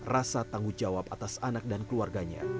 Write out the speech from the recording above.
rasa tanggung jawab atas anak dan keluarganya